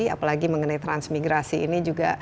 apalagi mengenai transmigrasi ini juga